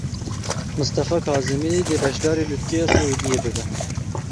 Mistefa Kazimî dê beşdarî Lûtkeya Siûdiyê bibe.